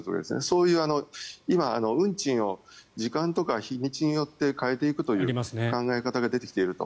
そういう今、運賃を時間とか日にちによって変えていくという考え方が出てきていると。